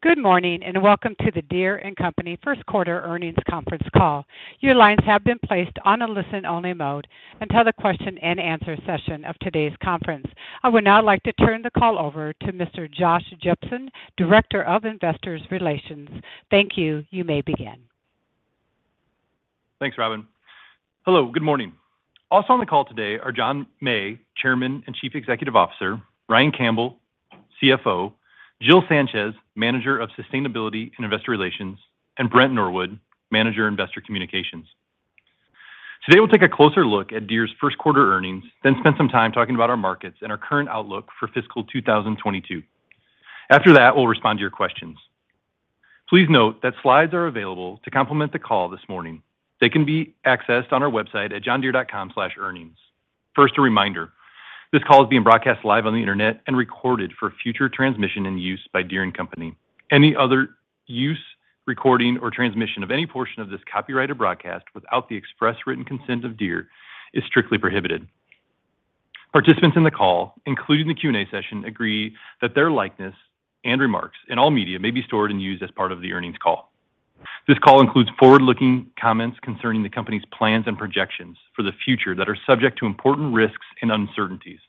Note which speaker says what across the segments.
Speaker 1: Good morning, and Welcome to the Deere & Company First Quarter Earnings Conference Call. Your lines have been placed on a listen-only mode until the question-and-answer session of today's conference. I would now like to turn the call over to Mr. Josh Jepsen, Director of Investor Relations. Thank you. You may begin.
Speaker 2: Thanks, Robin. Hello. Good morning. Also on the call today are John May, Chairman and Chief Executive Officer, Ryan Campbell, CFO, Jill Sanchez, Manager of Sustainability and Investor Relations, and Brent Norwood, Manager, Investor Communications. Today we'll take a closer look at Deere's first quarter earnings, then spend some time talking about our markets and our current outlook for fiscal 2022. After that, we'll respond to your questions. Please note that slides are available to complement the call this morning. They can be accessed on our website at johndeere.com/earnings. First, a reminder, this call is being broadcast live on the internet and recorded for future transmission and use by Deere & Company. Any other use, recording, or transmission of any portion of this copyrighted broadcast without the express written consent of Deere is strictly prohibited. Participants in the call, including the Q&A session, agree that their likeness and remarks in all media may be stored and used as part of the earnings call. This call includes forward-looking comments concerning the company's plans and projections for the future that are subject to important risks and uncertainties.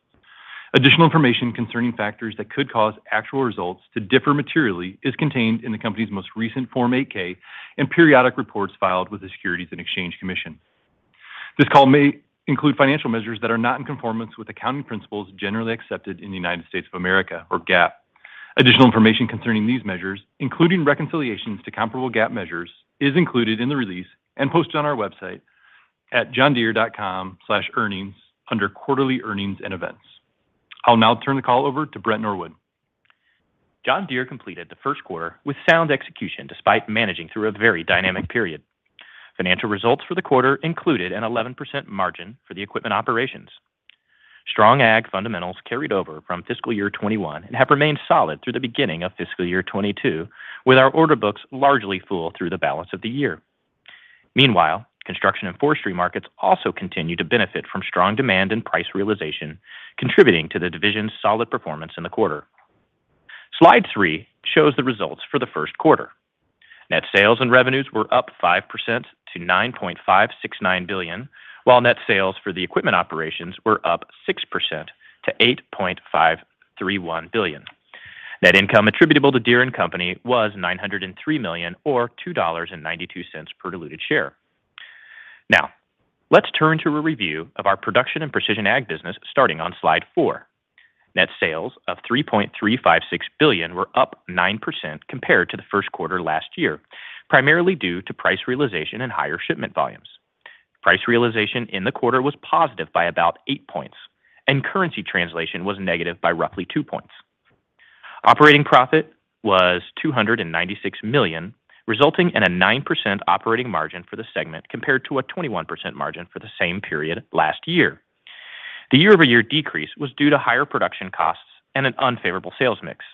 Speaker 2: Additional information concerning factors that could cause actual results to differ materially is contained in the company's most recent Form 8-K and periodic reports filed with the Securities and Exchange Commission. This call may include financial measures that are not in conformance with accounting principles generally accepted in the United States of America, or GAAP. Additional information concerning these measures, including reconciliations to comparable GAAP measures, is included in the release and posted on our website at johndeere.com/earnings under Quarterly Earnings and Events. I'll now turn the call over to Brent Norwood.
Speaker 3: John Deere completed the first quarter with sound execution despite managing through a very dynamic period. Financial results for the quarter included an 11% margin for the equipment operations. Strong ag fundamentals carried over from fiscal year 2021 and have remained solid through the beginning of fiscal year 2022, with our order books largely full through the balance of the year. Meanwhile, Construction and Forestry markets also continue to benefit from strong demand and price realization, contributing to the division's solid performance in the quarter. Slide three shows the results for the first quarter. Net sales and revenues were up 5% to $9.569 billion, while net sales for the equipment operations were up 6% to $8.531 billion. Net income attributable to Deere & Company was $903 million or $2.92 per diluted share. Now, let's turn to a review of our Production and Precision Ag business starting on slide four. Net sales of $3.356 billion were up 9% compared to the first quarter last year, primarily due to price realization and higher shipment volumes. Price realization in the quarter was positive by about 8 points, and currency translation was negative by roughly 2 points. Operating profit was $296 million, resulting in a 9% operating margin for the segment compared to a 21% margin for the same period last year. The year-over-year decrease was due to higher production costs and an unfavorable sales mix.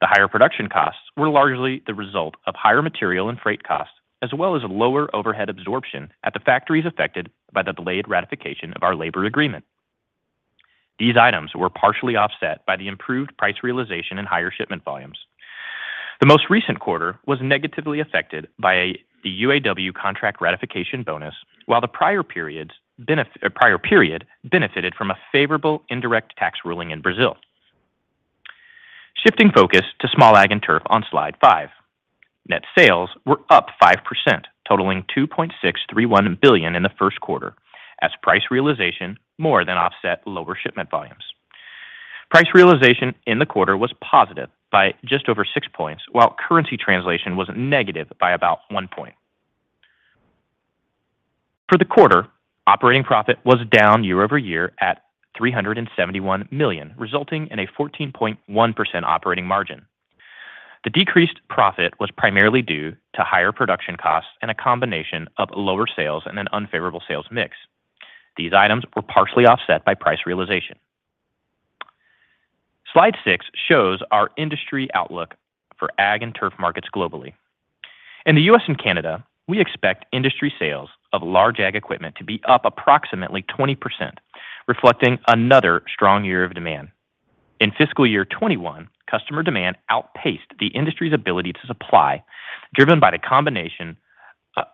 Speaker 3: The higher production costs were largely the result of higher material and freight costs, as well as lower overhead absorption at the factories affected by the delayed ratification of our labor agreement. These items were partially offset by the improved price realization and higher shipment volumes. The most recent quarter was negatively affected by the UAW contract ratification bonus, while the prior period benefited from a favorable indirect tax ruling in Brazil. Shifting focus to Small Ag and Turf on slide five. Net sales were up 5%, totaling $2.631 billion in the first quarter, as price realization more than offset lower shipment volumes. Price realization in the quarter was positive by just over 6 points, while currency translation was negative by about 1 point. For the quarter, operating profit was down year-over-year at $371 million, resulting in a 14.1% operating margin. The decreased profit was primarily due to higher production costs and a combination of lower sales and an unfavorable sales mix. These items were partially offset by price realization. Slide six shows our industry outlook for Ag and Turf markets globally. In the U.S. and Canada, we expect industry sales of large ag equipment to be up approximately 20%, reflecting another strong year of demand. In fiscal year 2021, customer demand outpaced the industry's ability to supply, driven by the combination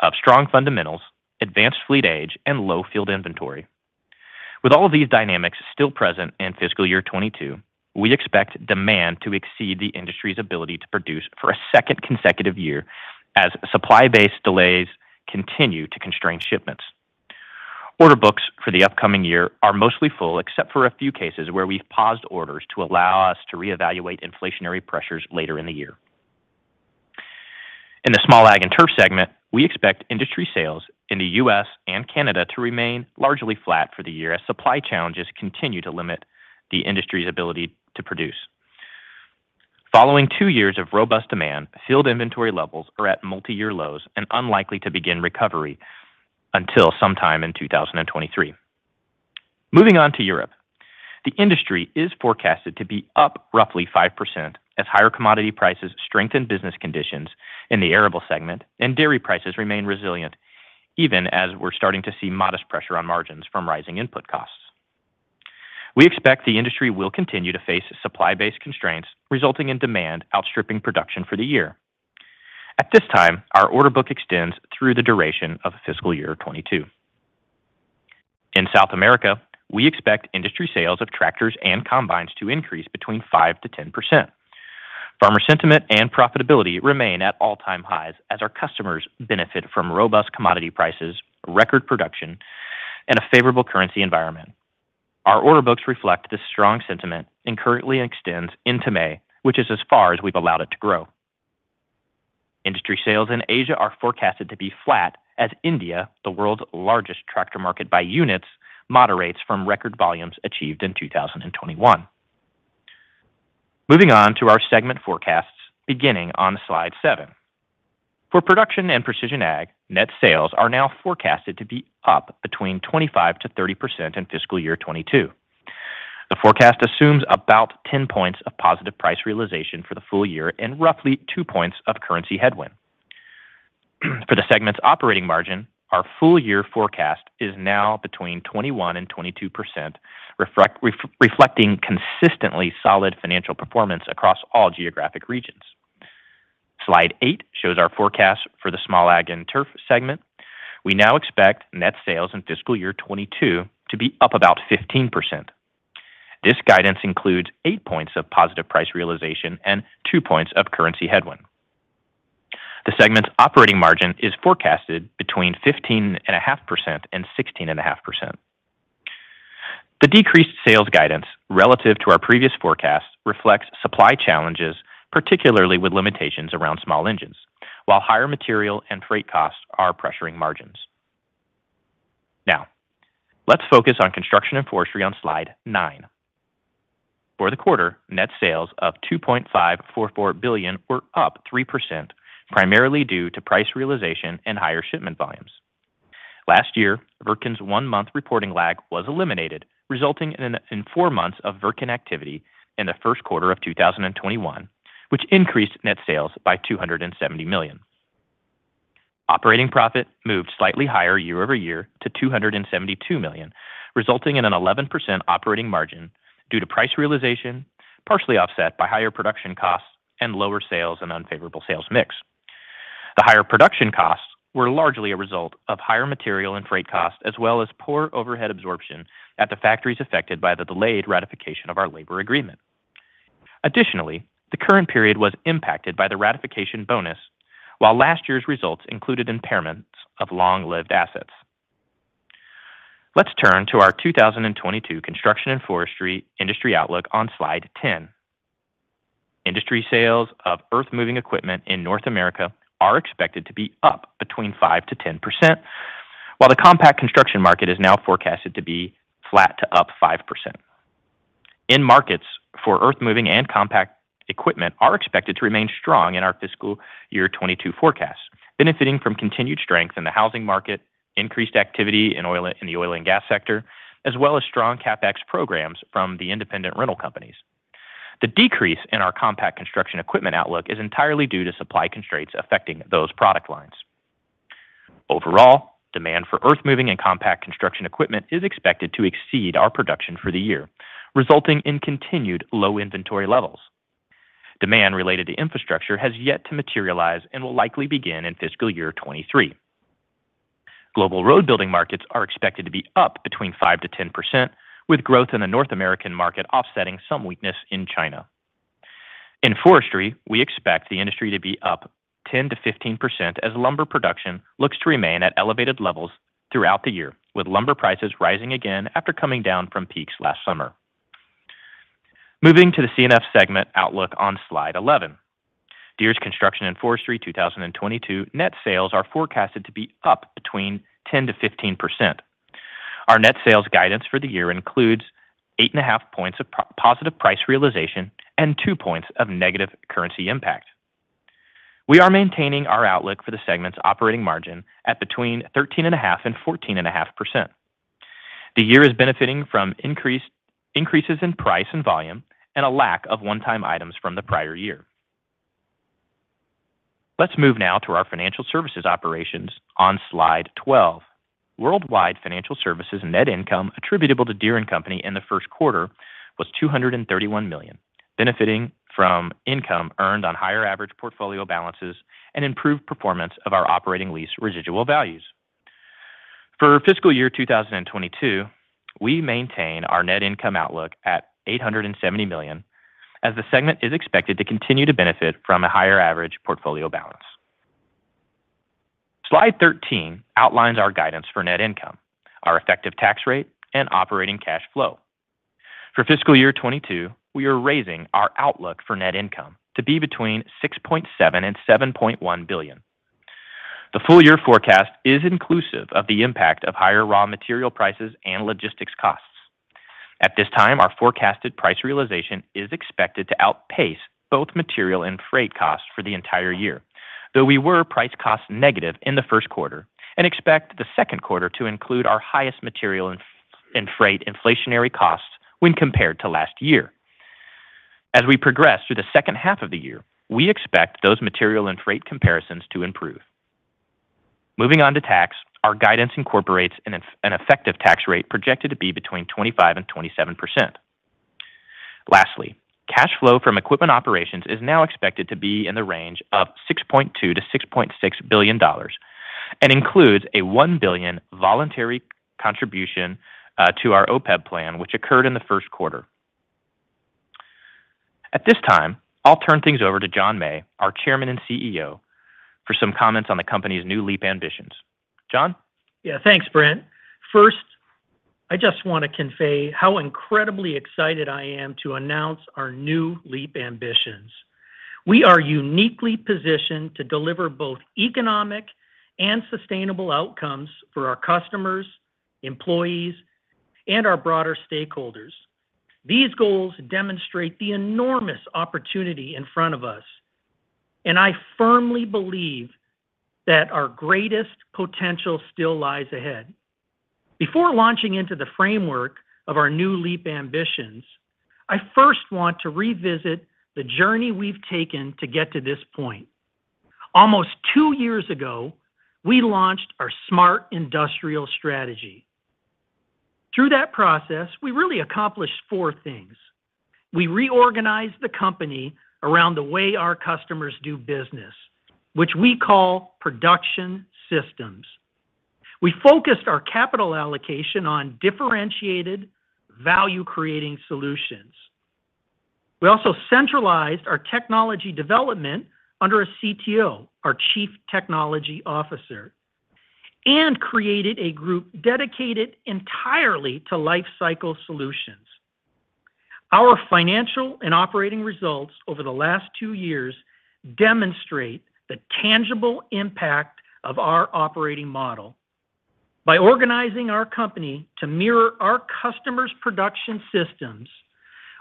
Speaker 3: of strong fundamentals, advanced fleet age, and low field inventory. With all of these dynamics still present in fiscal year 2022, we expect demand to exceed the industry's ability to produce for a second consecutive year as supply-based delays continue to constrain shipments. Order books for the upcoming year are mostly full, except for a few cases where we've paused orders to allow us to reevaluate inflationary pressures later in the year. In the Small Ag and Turf segment, we expect industry sales in the U.S. and Canada to remain largely flat for the year as supply challenges continue to limit the industry's ability to produce. Following two years of robust demand, field inventory levels are at multi-year lows and unlikely to begin recovery until sometime in 2023. Moving on to Europe. The industry is forecasted to be up roughly 5% as higher commodity prices strengthen business conditions in the arable segment and dairy prices remain resilient, even as we're starting to see modest pressure on margins from rising input costs. We expect the industry will continue to face supply-based constraints resulting in demand outstripping production for the year. At this time, our order book extends through the duration of fiscal year 2022. In South America, we expect industry sales of tractors and combines to increase 5%-10%. Farmer sentiment and profitability remain at all-time highs as our customers benefit from robust commodity prices, record production, and a favorable currency environment. Our order books reflect this strong sentiment and currently extends into May, which is as far as we've allowed it to grow. Industry sales in Asia are forecasted to be flat as India, the world's largest tractor market by units, moderates from record volumes achieved in 2021. Moving on to our segment forecasts beginning on slide seven. For Production and Precision Ag, net sales are now forecasted to be up 25%-30% in fiscal year 2022. The forecast assumes about 10 points of positive price realization for the full year and roughly 2 points of currency headwind. For the segment's operating margin, our full year forecast is now between 21%-22% reflecting consistently solid financial performance across all geographic regions. Slide eight shows our forecast for the Small Ag and Turf segment. We now expect net sales in fiscal year 2022 to be up about 15%. This guidance includes 8 points of positive price realization and 2 points of currency headwind. The segment's operating margin is forecasted between 15.5% and 16.5%. The decreased sales guidance relative to our previous forecast reflects supply challenges, particularly with limitations around small engines, while higher material and freight costs are pressuring margins. Now, let's focus on Construction and Forestry on slide nine. For the quarter, net sales of $2.544 billion were up 3% primarily due to price realization and higher shipment volumes. Last year, Wirtgen's one-month reporting lag was eliminated, resulting in four months of Wirtgen activity in the first quarter of 2021, which increased net sales by $270 million. Operating profit moved slightly higher year-over-year to $272 million, resulting in an 11% operating margin due to price realization, partially offset by higher production costs and lower sales and unfavorable sales mix. The higher production costs were largely a result of higher material and freight costs as well as poor overhead absorption at the factories affected by the delayed ratification of our labor agreement. Additionally, the current period was impacted by the ratification bonus, while last year's results included impairments of long-lived assets. Let's turn to our 2022 Construction and Forestry industry outlook on slide 10. Industry sales of earthmoving equipment in North America are expected to be up 5%-10%, while the compact construction market is now forecasted to be flat to up 5%. End markets for earthmoving and compact equipment are expected to remain strong in our fiscal year 2022 forecast, benefiting from continued strength in the housing market, increased activity in the oil and gas sector, as well as strong CapEx programs from the independent rental companies. The decrease in our compact construction equipment outlook is entirely due to supply constraints affecting those product lines. Overall, demand for earthmoving and compact construction equipment is expected to exceed our production for the year, resulting in continued low inventory levels. Demand related to infrastructure has yet to materialize and will likely begin in fiscal year 2023. Global road building markets are expected to be up 5%-10%, with growth in the North American market offsetting some weakness in China. In forestry, we expect the industry to be up 10%-15% as lumber production looks to remain at elevated levels throughout the year, with lumber prices rising again after coming down from peaks last summer. Moving to the C&F segment outlook on slide 11. Deere's Construction and Forestry 2022 net sales are forecasted to be up 10%-15%. Our net sales guidance for the year includes 8.5 points of positive price realization and 2 points of negative currency impact. We are maintaining our outlook for the segment's operating margin at between 13.5% and 14.5%. The year is benefiting from increases in price and volume and a lack of one-time items from the prior year. Let's move now to our Financial Services operations on slide 12. Worldwide Financial Services net income attributable to Deere & Company in the first quarter was $231 million, benefiting from income earned on higher average portfolio balances and improved performance of our operating lease residual values. For fiscal year 2022, we maintain our net income outlook at $870 million as the segment is expected to continue to benefit from a higher average portfolio balance. Slide 13 outlines our guidance for net income, our effective tax rate, and operating cash flow. For fiscal year 2022, we are raising our outlook for net income to be between $6.7 billion and $7.1 billion. The full year forecast is inclusive of the impact of higher raw material prices and logistics costs. At this time, our forecasted price realization is expected to outpace both material and freight costs for the entire year, though we were price cost negative in the first quarter and expect the second quarter to include our highest material and freight inflationary costs when compared to last year. As we progress through the second half of the year, we expect those material and freight comparisons to improve. Moving on to tax, our guidance incorporates an effective tax rate projected to be between 25% and 27%. Lastly, cash flow from equipment operations is now expected to be in the range of $6.2 billion-$6.6 billion and includes a $1 billion voluntary contribution to our OPEB plan, which occurred in the first quarter. At this time, I'll turn things over to John May, our Chairman and CEO, for some comments on the company's new Leap Ambitions. John?
Speaker 4: Yeah. Thanks, Brent. First, I just want to convey how incredibly excited I am to announce our new Leap Ambitions. We are uniquely positioned to deliver both economic and sustainable outcomes for our customers, employees, and our broader stakeholders. These goals demonstrate the enormous opportunity in front of us, and I firmly believe that our greatest potential still lies ahead. Before launching into the framework of our new Leap Ambitions, I first want to revisit the journey we've taken to get to this point. Almost two years ago, we launched our Smart Industrial strategy. Through that process, we really accomplished four things. We reorganized the company around the way our customers do business, which we call production systems. We focused our capital allocation on differentiated value-creating solutions. We also centralized our technology development under a CTO, our Chief Technology Officer, and created a group dedicated entirely to lifecycle solutions. Our financial and operating results over the last two years demonstrate the tangible impact of our operating model. By organizing our company to mirror our customers' production systems,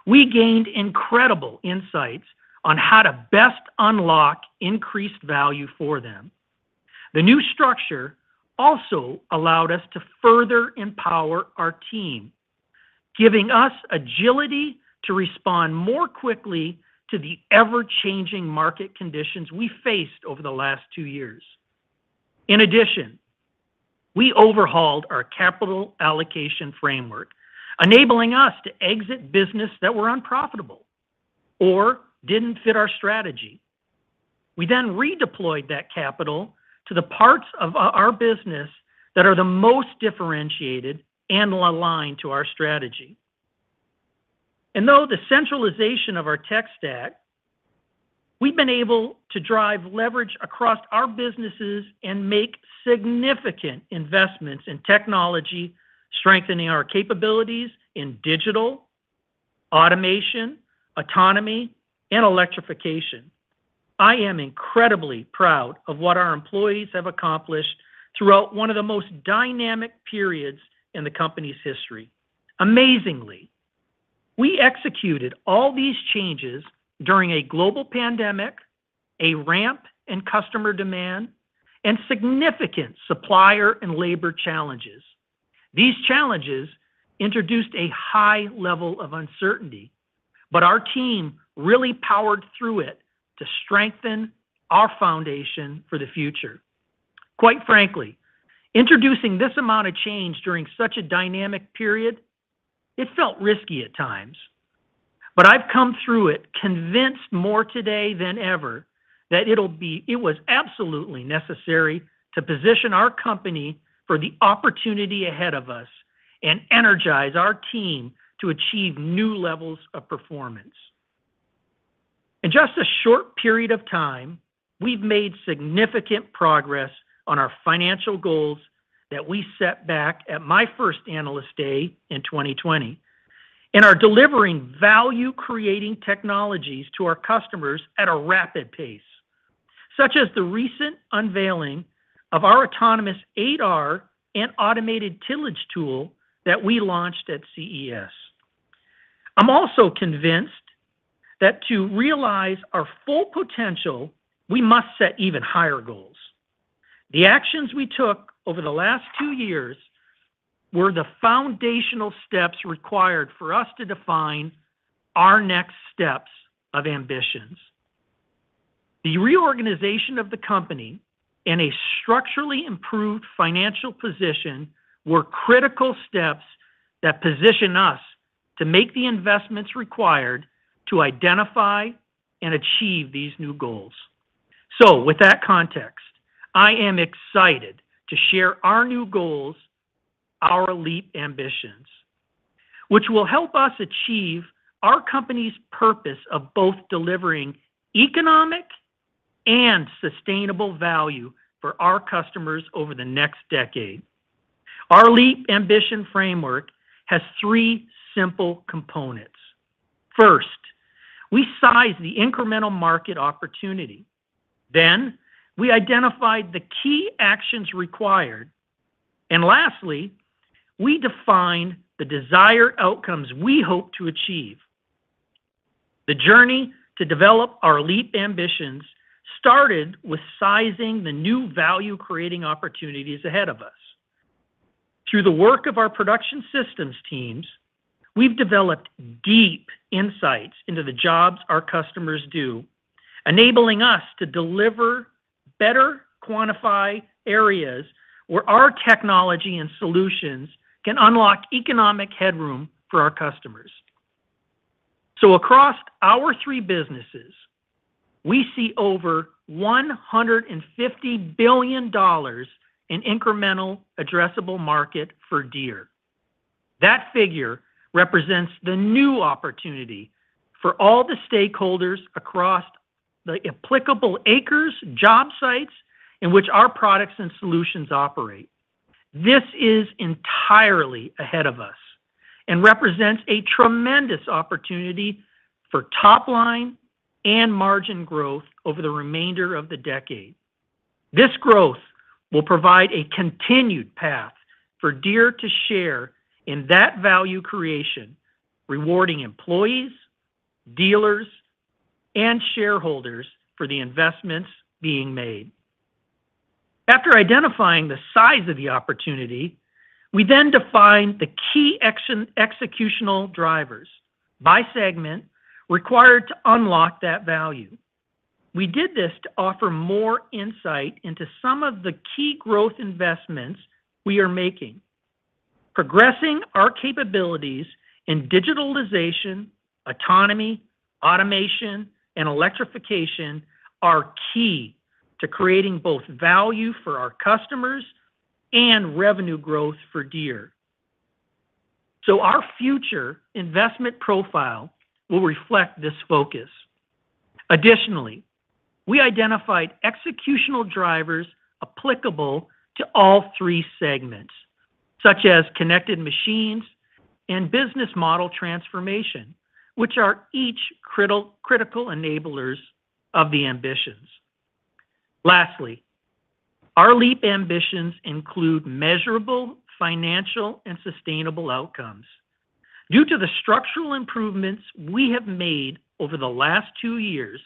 Speaker 4: we gained incredible insights on how to best unlock increased value for them. The new structure also allowed us to further empower our team, giving us agility to respond more quickly to the ever-changing market conditions we faced over the last two years. In addition, we overhauled our capital allocation framework, enabling us to exit business that were unprofitable or didn't fit our strategy. We then redeployed that capital to the parts of our business that are the most differentiated and aligned to our strategy. Through the centralization of our tech stack, we've been able to drive leverage across our businesses and make significant investments in technology, strengthening our capabilities in digital, automation, autonomy, and electrification. I am incredibly proud of what our employees have accomplished throughout one of the most dynamic periods in the company's history. Amazingly, we executed all these changes during a global pandemic, a ramp in customer demand, and significant supplier and labor challenges. These challenges introduced a high level of uncertainty, but our team really powered through it to strengthen our foundation for the future. Quite frankly, introducing this amount of change during such a dynamic period, it felt risky at times. I've come through it convinced more today than ever that it was absolutely necessary to position our company for the opportunity ahead of us and energize our team to achieve new levels of performance. In just a short period of time, we've made significant progress on our financial goals that we set back at my first Analyst Day in 2020, and are delivering value-creating technologies to our customers at a rapid pace, such as the recent unveiling of our autonomous 8R and automated tillage tool that we launched at CES. I'm also convinced that to realize our full potential, we must set even higher goals. The actions we took over the last two years were the foundational steps required for us to define our next set of ambitions. The reorganization of the company and a structurally improved financial position were critical steps that position us to make the investments required to identify and achieve these new goals. With that context, I am excited to share our new goals, our Leap Ambitions, which will help us achieve our company's purpose of both delivering economic and sustainable value for our customers over the next decade. Our Leap Ambitions framework has three simple components. First, we size the incremental market opportunity, then we identify the key actions required, and lastly, we define the desired outcomes we hope to achieve. The journey to develop our Leap Ambitions started with sizing the new value-creating opportunities ahead of us. Through the work of our production systems teams, we've developed deep insights into the jobs our customers do, enabling us to better quantify areas where our technology and solutions can unlock economic headroom for our customers. Across our three businesses, we see over $150 billion in incremental addressable market for Deere. That figure represents the new opportunity for all the stakeholders across the applicable acres, job sites in which our products and solutions operate. This is entirely ahead of us and represents a tremendous opportunity for top line and margin growth over the remainder of the decade. This growth will provide a continued path for Deere to share in that value creation, rewarding employees, dealers, and shareholders for the investments being made. After identifying the size of the opportunity, we then defined the key executional drivers by segment required to unlock that value. We did this to offer more insight into some of the key growth investments we are making. Progressing our capabilities in digitalization, autonomy, automation, and electrification are key to creating both value for our customers and revenue growth for Deere. Our future investment profile will reflect this focus. Additionally, we identified executional drivers applicable to all three segments, such as connected machines and business model transformation, which are each critical enablers of the ambitions. Lastly, our Leap Ambitions include measurable financial and sustainable outcomes. Due to the structural improvements we have made over the last two years,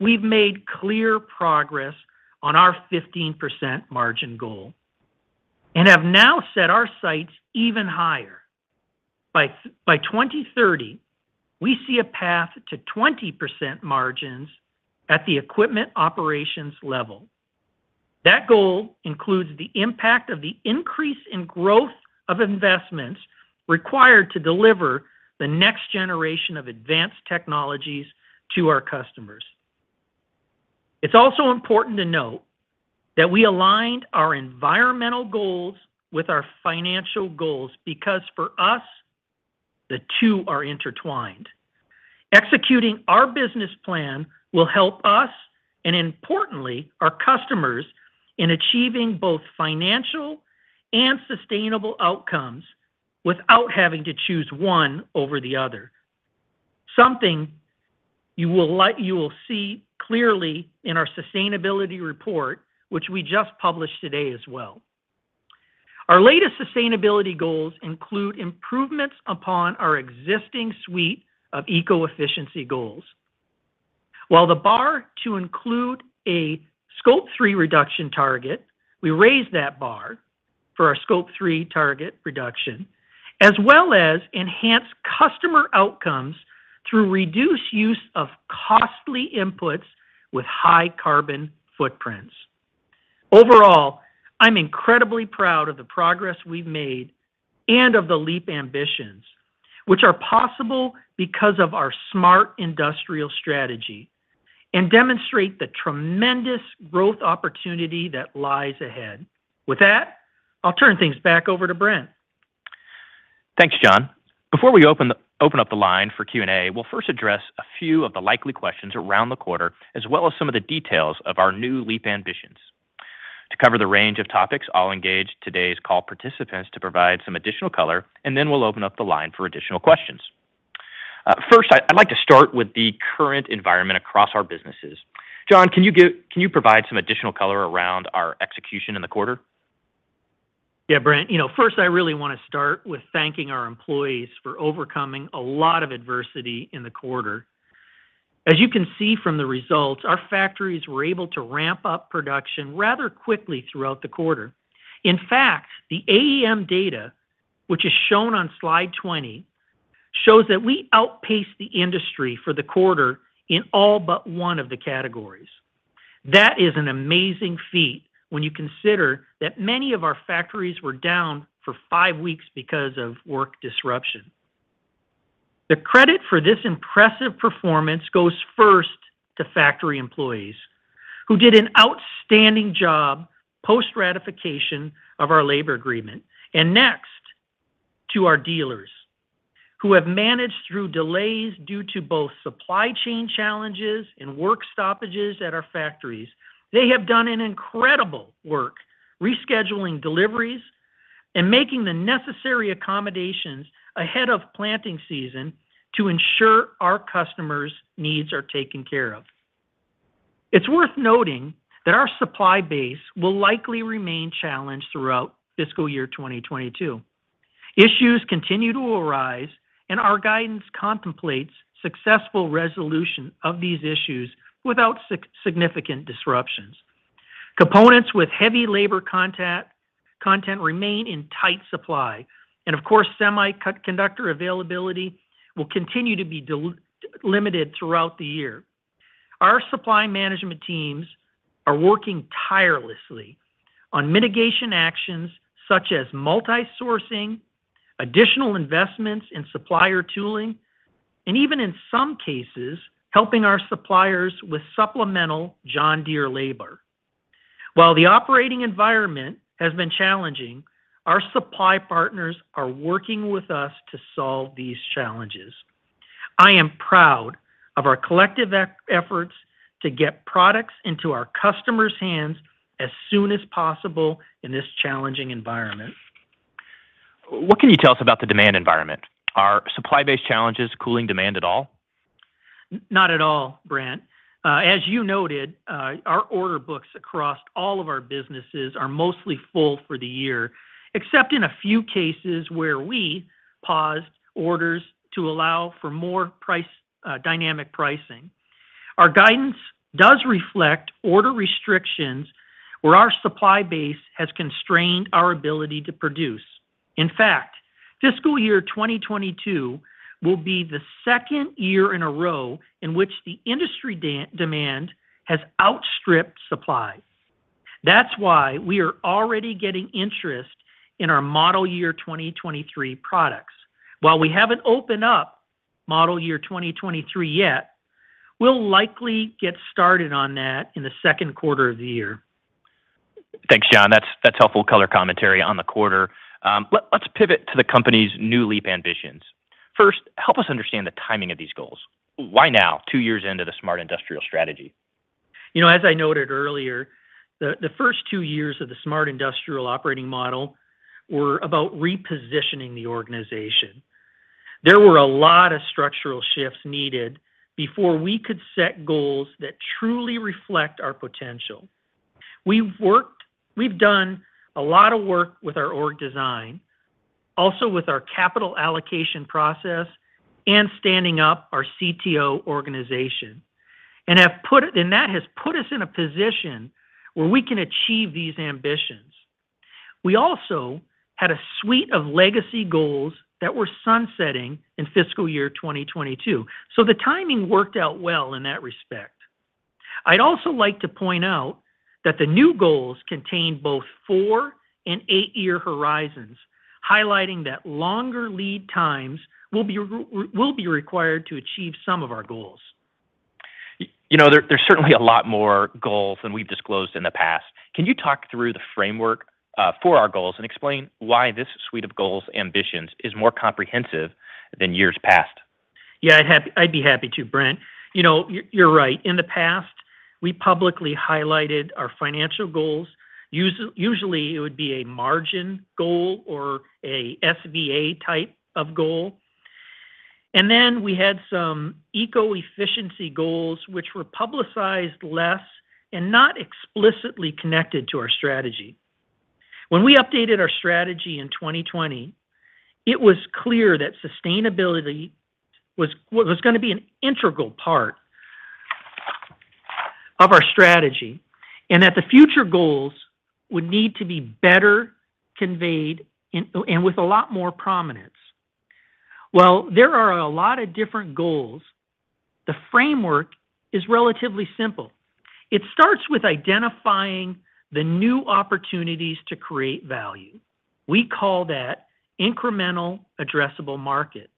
Speaker 4: we've made clear progress on our 15% margin goal and have now set our sights even higher. By 2030, we see a path to 20% margins at the equipment operations level. That goal includes the impact of the increase in growth of investments required to deliver the next generation of advanced technologies to our customers. It's also important to note that we aligned our environmental goals with our financial goals because for us, the two are intertwined. Executing our business plan will help us, and importantly, our customers in achieving both financial and sustainable outcomes without having to choose one over the other. Something you will see clearly in our sustainability report, which we just published today as well. Our latest sustainability goals include improvements upon our existing suite of eco-efficiency goals. We raised the bar to include a Scope 3 reduction target, we raised that bar for our Scope 3 target reduction, as well as enhanced customer outcomes through reduced use of costly inputs with high carbon footprints. Overall, I'm incredibly proud of the progress we've made and of the Leap Ambitions, which are possible because of our Smart Industrial strategy and demonstrate the tremendous growth opportunity that lies ahead. With that, I'll turn things back over to Brent.
Speaker 3: Thanks, John. Before we open up the line for Q&A, we'll first address a few of the likely questions around the quarter, as well as some of the details of our new Leap Ambitions. To cover the range of topics, I'll engage today's call participants to provide some additional color, and then we'll open up the line for additional questions. First, I'd like to start with the current environment across our businesses. John, can you provide some additional color around our execution in the quarter?
Speaker 4: Yeah, Brent. You know, first, I really wanna start with thanking our employees for overcoming a lot of adversity in the quarter. As you can see from the results, our factories were able to ramp up production rather quickly throughout the quarter. In fact, the AEM data, which is shown on slide 20, shows that we outpaced the industry for the quarter in all but one of the categories. That is an amazing feat when you consider that many of our factories were down for five weeks because of work disruption. The credit for this impressive performance goes first to factory employees, who did an outstanding job post-ratification of our labor agreement. Next to our dealers, who have managed through delays due to both supply chain challenges and work stoppages at our factories. They have done an incredible work rescheduling deliveries and making the necessary accommodations ahead of planting season to ensure our customers' needs are taken care of. It's worth noting that our supply base will likely remain challenged throughout fiscal year 2022. Issues continue to arise and our guidance contemplates successful resolution of these issues without significant disruptions. Components with heavy labor content remain in tight supply. Of course, semiconductor availability will continue to be limited throughout the year. Our supply management teams are working tirelessly on mitigation actions such as multi-sourcing, additional investments in supplier tooling, and even in some cases, helping our suppliers with supplemental John Deere labor. While the operating environment has been challenging, our supply partners are working with us to solve these challenges. I am proud of our collective efforts to get products into our customers' hands as soon as possible in this challenging environment.
Speaker 3: What can you tell us about the demand environment? Are supply-based challenges cooling demand at all?
Speaker 4: Not at all, Brent. As you noted, our order books across all of our businesses are mostly full for the year, except in a few cases where we paused orders to allow for more price dynamic pricing. Our guidance does reflect order restrictions where our supply base has constrained our ability to produce. In fact, fiscal year 2022 will be the second year in a row in which the industry demand has outstripped supply. That's why we are already getting interest in our model year 2023 products. While we haven't opened up model year 2023 yet, we'll likely get started on that in the second quarter of the year.
Speaker 3: Thanks, John. That's helpful color commentary on the quarter. Let's pivot to the company's new Leap Ambitions. First, help us understand the timing of these goals. Why now, two years into the Smart Industrial strategy?
Speaker 4: You know, as I noted earlier, the first two years of the Smart Industrial operating model were about repositioning the organization. There were a lot of structural shifts needed before we could set goals that truly reflect our potential. We've done a lot of work with our org design, also with our capital allocation process and standing up our CTO organization. That has put us in a position where we can achieve these ambitions. We also had a suite of legacy goals that were sunsetting in fiscal year 2022. The timing worked out well in that respect. I'd also like to point out that the new goals contain both four- and eight-year horizons, highlighting that longer lead times will be required to achieve some of our goals.
Speaker 3: You know, there's certainly a lot more goals than we've disclosed in the past. Can you talk through the framework for our goals and explain why this suite of Leap Ambitions is more comprehensive than years past?
Speaker 4: Yeah, I'd be happy to, Brent. You know, you're right. In the past, we publicly highlighted our financial goals. Usually it would be a margin goal or a SVA type of goal. Then we had some eco-efficiency goals which were publicized less and not explicitly connected to our strategy. When we updated our strategy in 2020, it was clear that sustainability was gonna be an integral part of our strategy, and that the future goals would need to be better conveyed and with a lot more prominence. Well, there are a lot of different goals. The framework is relatively simple. It starts with identifying the new opportunities to create value. We call that incremental addressable market.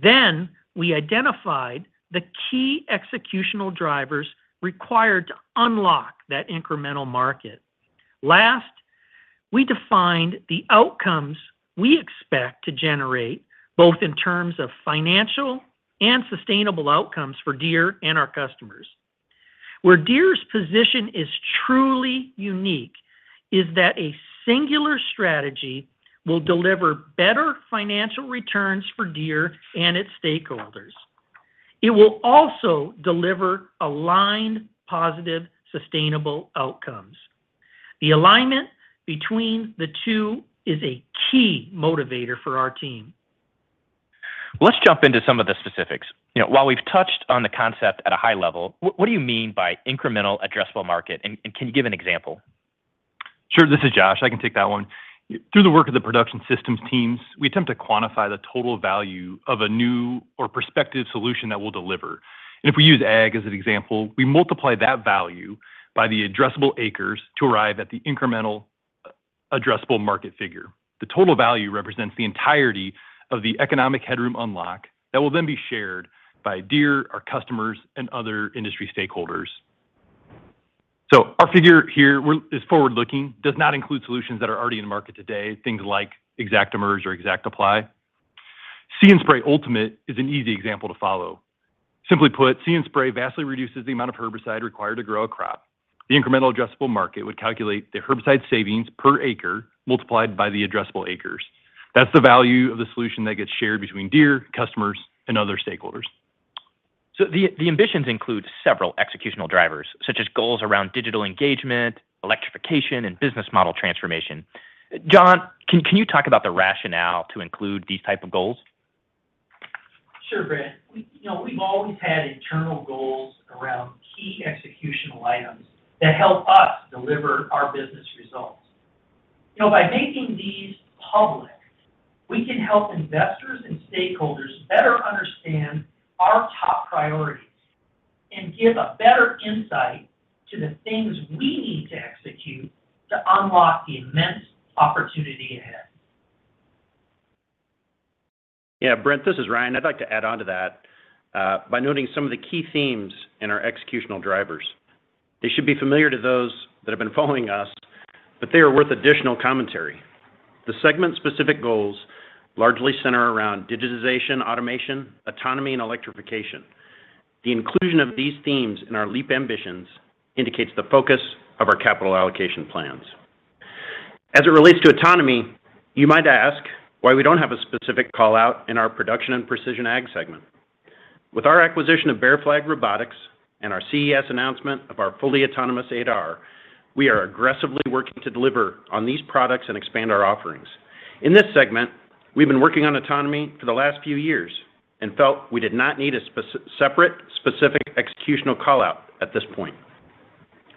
Speaker 4: Then we identified the key executional drivers required to unlock that incremental market. Last, we defined the outcomes we expect to generate, both in terms of financial and sustainable outcomes for Deere and our customers. Where Deere's position is truly unique is that a singular strategy will deliver better financial returns for Deere and its stakeholders. It will also deliver aligned positive sustainable outcomes. The alignment between the two is a key motivator for our team.
Speaker 3: Let's jump into some of the specifics. You know, while we've touched on the concept at a high level, what do you mean by incremental addressable market, and can you give an example?
Speaker 2: Sure. This is Josh, I can take that one. Through the work of the production systems teams, we attempt to quantify the total value of a new or prospective solution that we'll deliver. If we use Ag as an example, we multiply that value by the addressable acres to arrive at the incremental addressable market figure. The total value represents the entirety of the economic headroom unlocked that will then be shared by Deere, our customers, and other industry stakeholders. Our figure here is forward-looking, does not include solutions that are already in the market today, things like ExactEmerge or ExactApply. See & Spray Ultimate is an easy example to follow. Simply put, See & Spray vastly reduces the amount of herbicide required to grow a crop. The incremental addressable market would calculate the herbicide savings per acre multiplied by the addressable acres. That's the value of the solution that gets shared between Deere, customers, and other stakeholders.
Speaker 3: Leap Ambitions include several executional drivers, such as goals around digital engagement, electrification, and business model transformation. John, can you talk about the rationale to include these type of goals?
Speaker 4: Sure, Brent. We, you know, we've always had internal goals around key executional items that help us deliver our business results. You know, by making these public, we can help investors and stakeholders better understand our top priorities and give a better insight to the things we need to execute to unlock the immense opportunity ahead.
Speaker 5: Yeah, Brent, this is Ryan. I'd like to add onto that by noting some of the key themes in our executional drivers. They should be familiar to those that have been following us, but they are worth additional commentary. The segment-specific goals largely center around digitization, automation, autonomy, and electrification. The inclusion of these themes in our Leap Ambitions indicates the focus of our capital allocation plans. As it relates to autonomy, you might ask why we don't have a specific call-out in our Production and Precision Ag segment. With our acquisition of Bear Flag Robotics and our CES announcement of our fully autonomous 8R, we are aggressively working to deliver on these products and expand our offerings. In this segment, we've been working on autonomy for the last few years and felt we did not need a separate specific executional call-out at this point.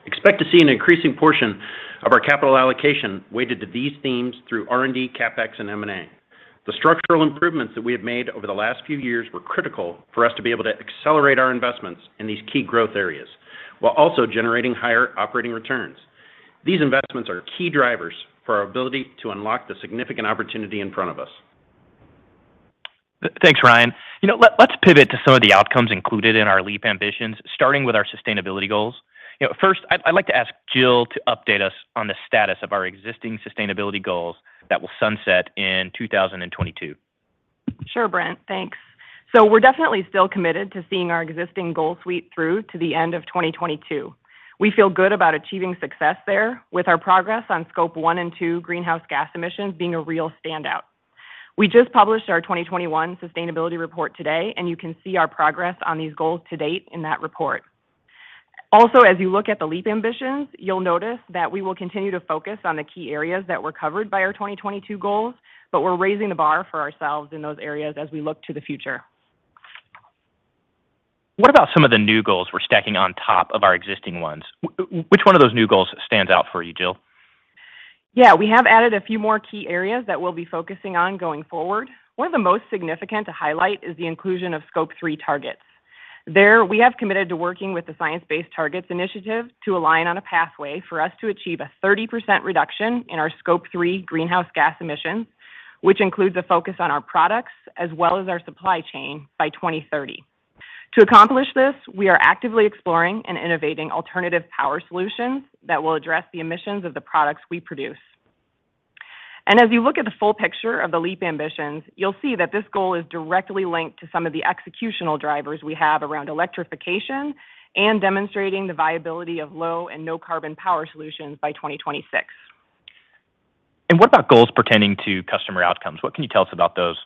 Speaker 5: Expect to see an increasing portion of our capital allocation weighted to these themes through R&D, CapEx, and M&A. The structural improvements that we have made over the last few years were critical for us to be able to accelerate our investments in these key growth areas while also generating higher operating returns. These investments are key drivers for our ability to unlock the significant opportunity in front of us.
Speaker 3: Thanks, Ryan. You know, let's pivot to some of the outcomes included in our Leap Ambitions, starting with our sustainability goals. You know, first, I'd like to ask Jill to update us on the status of our existing sustainability goals that will sunset in 2022.
Speaker 6: Sure, Brent. Thanks. We're definitely still committed to seeing our existing goal suite through to the end of 2022. We feel good about achieving success there with our progress on Scope 1 and 2 greenhouse gas emissions being a real standout. We just published our 2021 sustainability report today, and you can see our progress on these goals to date in that report. Also, as you look at the Leap Ambitions, you'll notice that we will continue to focus on the key areas that were covered by our 2022 goals, but we're raising the bar for ourselves in those areas as we look to the future.
Speaker 3: What about some of the new goals we're stacking on top of our existing ones? Which one of those new goals stands out for you, Jill?
Speaker 6: Yeah. We have added a few more key areas that we'll be focusing on going forward. One of the most significant to highlight is the inclusion of Scope 3 targets. There, we have committed to working with the Science Based Targets initiative to align on a pathway for us to achieve a 30% reduction in our Scope 3 greenhouse gas emissions, which includes a focus on our products as well as our supply chain by 2030. To accomplish this, we are actively exploring and innovating alternative power solutions that will address the emissions of the products we produce. As you look at the full picture of the Leap Ambitions, you'll see that this goal is directly linked to some of the executional drivers we have around electrification and demonstrating the viability of low and no carbon power solutions by 2026.
Speaker 3: What about goals pertaining to customer outcomes? What can you tell us about those?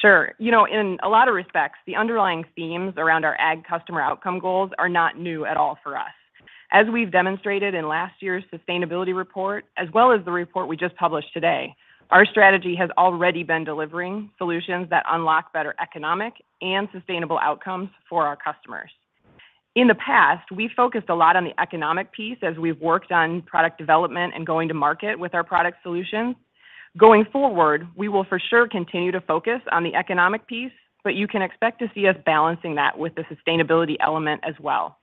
Speaker 6: Sure. You know, in a lot of respects, the underlying themes around our ag customer outcome goals are not new at all for us. As we've demonstrated in last year's sustainability report, as well as the report we just published today, our strategy has already been delivering solutions that unlock better economic and sustainable outcomes for our customers. In the past, we focused a lot on the economic piece as we've worked on product development and going to market with our product solutions. Going forward, we will for sure continue to focus on the economic piece, but you can expect to see us balancing that with the sustainability element as well.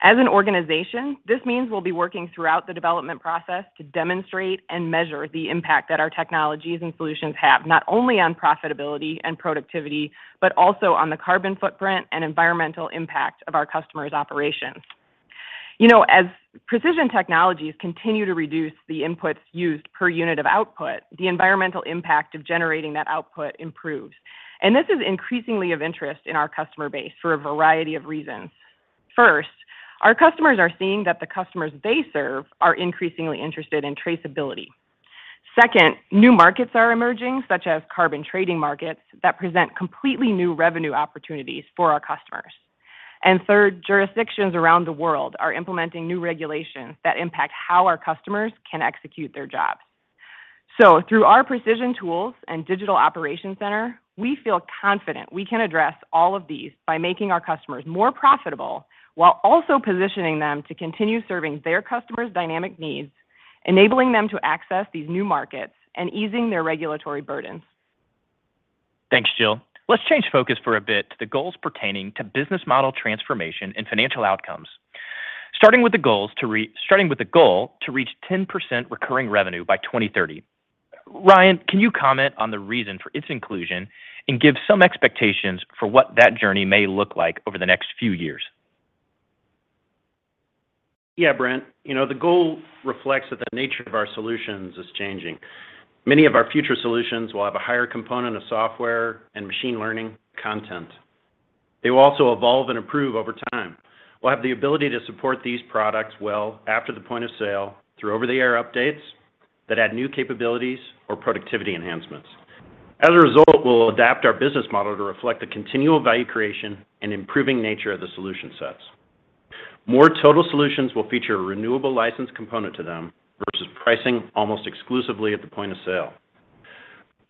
Speaker 6: As an organization, this means we'll be working throughout the development process to demonstrate and measure the impact that our technologies and solutions have, not only on profitability and productivity, but also on the carbon footprint and environmental impact of our customers' operations. You know, as precision technologies continue to reduce the inputs used per unit of output, the environmental impact of generating that output improves. This is increasingly of interest in our customer base for a variety of reasons. First, our customers are seeing that the customers they serve are increasingly interested in traceability. Second, new markets are emerging, such as carbon trading markets, that present completely new revenue opportunities for our customers. Third, jurisdictions around the world are implementing new regulations that impact how our customers can execute their jobs. Through our precision tools and Digital Operations Center, we feel confident we can address all of these by making our customers more profitable while also positioning them to continue serving their customers' dynamic needs, enabling them to access these new markets, and easing their regulatory burdens.
Speaker 3: Thanks, Jill. Let's change focus for a bit to the goals pertaining to business model transformation and financial outcomes. Starting with the goal to reach 10% recurring revenue by 2030. Ryan, can you comment on the reason for its inclusion and give some expectations for what that journey may look like over the next few years?
Speaker 5: Yeah, Brent. You know, the goal reflects that the nature of our solutions is changing. Many of our future solutions will have a higher component of software and machine learning content. They will also evolve and improve over time. We'll have the ability to support these products well after the point of sale through over-the-air updates that add new capabilities or productivity enhancements. As a result, we'll adapt our business model to reflect the continual value creation and improving nature of the solution sets. More total solutions will feature a renewable license component to them vs pricing almost exclusively at the point of sale.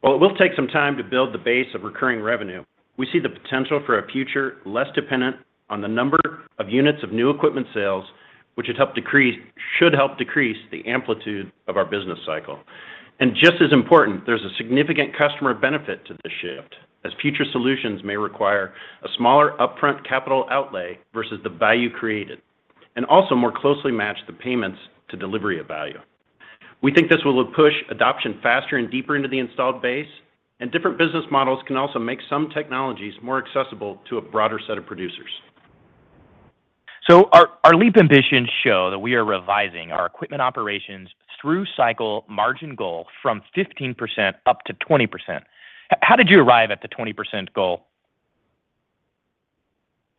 Speaker 5: While it will take some time to build the base of recurring revenue, we see the potential for a future less dependent on the number of units of new equipment sales, which should help decrease the amplitude of our business cycle. Just as important, there's a significant customer benefit to the shift as future solutions may require a smaller upfront capital outlay vs the value created, and also more closely match the payments to delivery of value. We think this will push adoption faster and deeper into the installed base, and different business models can also make some technologies more accessible to a broader set of producers.
Speaker 3: Our Leap Ambitions show that we are revising our Equipment Operations through-cycle margin goal from 15%-20%. How did you arrive at the 20% goal?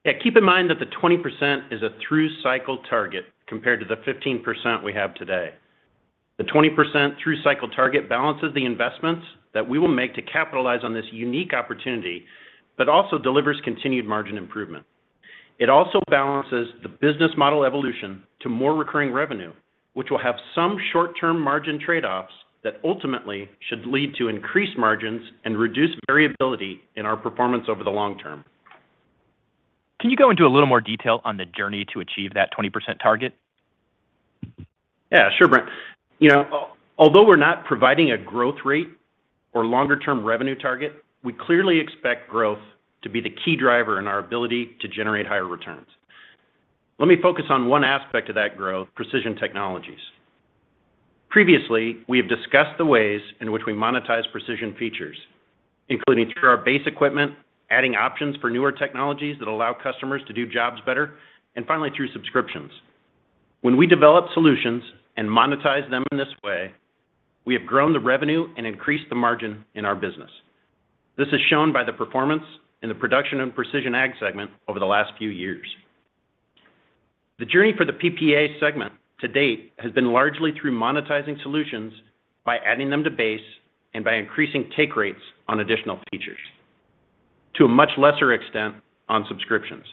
Speaker 5: Yeah. Keep in mind that the 20% is a through cycle target compared to the 15% we have today. The 20% through cycle target balances the investments that we will make to capitalize on this unique opportunity, but also delivers continued margin improvement. It also balances the business model evolution to more recurring revenue, which will have some short-term margin trade-offs that ultimately should lead to increased margins and reduced variability in our performance over the long term.
Speaker 3: Can you go into a little more detail on the journey to achieve that 20% target?
Speaker 5: Yeah. Sure, Brent. You know, although we're not providing a growth rate or longer-term revenue target, we clearly expect growth to be the key driver in our ability to generate higher returns. Let me focus on one aspect of that growth, precision technologies. Previously, we have discussed the ways in which we monetize precision features, including through our base equipment, adding options for newer technologies that allow customers to do jobs better, and finally, through subscriptions. When we develop solutions and monetize them in this way, we have grown the revenue and increased the margin in our business. This is shown by the performance in the Production and Precision Ag segment over the last few years. The journey for the PPA segment to date has been largely through monetizing solutions by adding them to base and by increasing take rates on additional features. To a much lesser extent on subscriptions.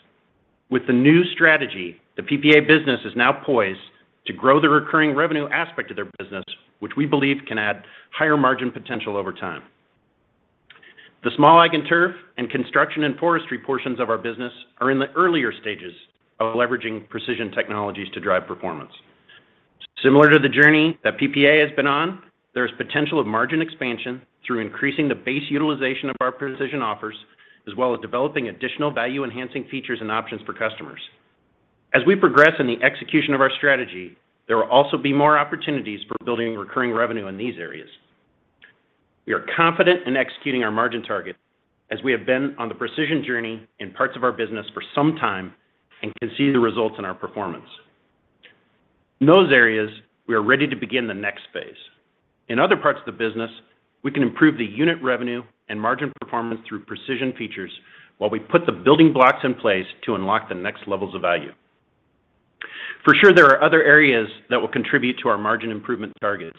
Speaker 5: With the new strategy, the PPA business is now poised to grow the recurring revenue aspect of their business, which we believe can add higher margin potential over time. The Small Ag and Turf and Construction and Forestry portions of our business are in the earlier stages of leveraging precision technologies to drive performance. Similar to the journey that PPA has been on, there's potential of margin expansion through increasing the base utilization of our precision offers, as well as developing additional value enhancing features and options for customers. As we progress in the execution of our strategy, there will also be more opportunities for building recurring revenue in these areas. We are confident in executing our margin target as we have been on the precision journey in parts of our business for some time and can see the results in our performance. In those areas, we are ready to begin the next phase. In other parts of the business, we can improve the unit revenue and margin performance through precision features while we put the building blocks in place to unlock the next levels of value. For sure, there are other areas that will contribute to our margin improvement targets,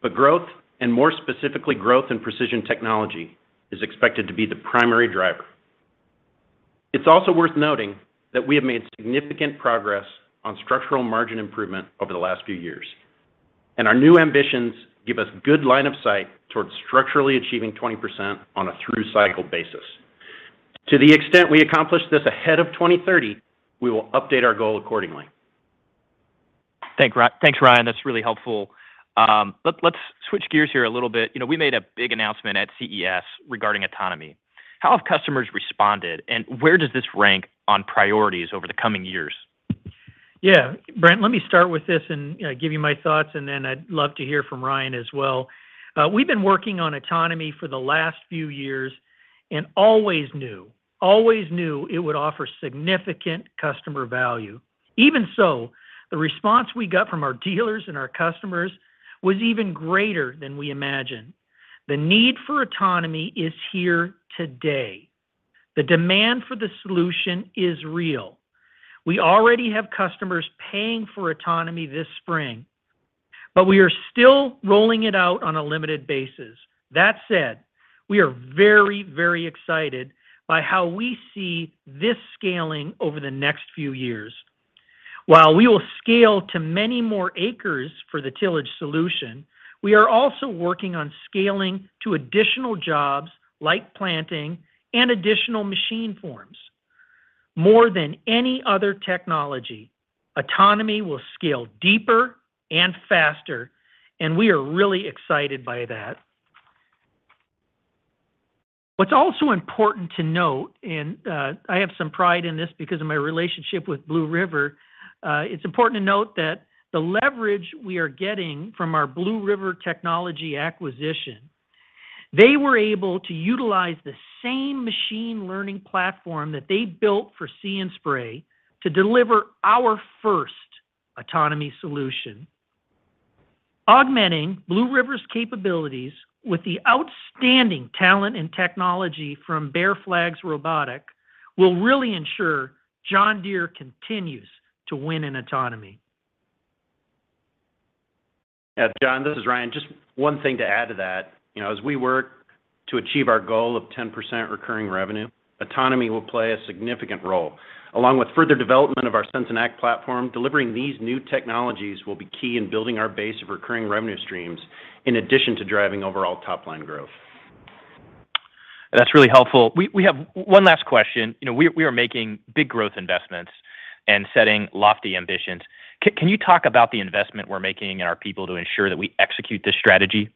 Speaker 5: but growth, and more specifically growth in precision technology, is expected to be the primary driver. It's also worth noting that we have made significant progress on structural margin improvement over the last few years, and our new ambitions give us good line of sight towards structurally achieving 20% on a through cycle basis. To the extent we accomplish this ahead of 2030, we will update our goal accordingly.
Speaker 3: Thanks, Ryan. That's really helpful. Let's switch gears here a little bit. You know, we made a big announcement at CES regarding autonomy. How have customers responded, and where does this rank on priorities over the coming years?
Speaker 4: Yeah. Brent, let me start with this and give you my thoughts, and then I'd love to hear from Ryan as well. We've been working on autonomy for the last few years and always knew it would offer significant customer value. Even so, the response we got from our dealers and our customers was even greater than we imagined. The need for autonomy is here today. The demand for the solution is real. We already have customers paying for autonomy this spring, but we are still rolling it out on a limited basis. That said, we are very, very excited by how we see this scaling over the next few years. While we will scale to many more acres for the tillage solution, we are also working on scaling to additional jobs like planting and additional machine forms. More than any other technology, autonomy will scale deeper and faster, and we are really excited by that. What's also important to note, and I have some pride in this because of my relationship with Blue River. It's important to note that the leverage we are getting from our Blue River technology acquisition, they were able to utilize the same machine learning platform that they built for See & Spray to deliver our first autonomy solution. Augmenting Blue River's capabilities with the outstanding talent and technology from Bear Flag Robotics will really ensure John Deere continues to win in autonomy.
Speaker 5: Yeah, John, this is Ryan. Just one thing to add to that. You know, as we work to achieve our goal of 10% recurring revenue, autonomy will play a significant role. Along with further development of our Sense and Act platform, delivering these new technologies will be key in building our base of recurring revenue streams in addition to driving overall top-line growth.
Speaker 3: That's really helpful. We have one last question. You know, we are making big growth investments and setting lofty ambitions. Can you talk about the investment we're making in our people to ensure that we execute this strategy?